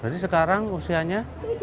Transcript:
berarti sekarang usianya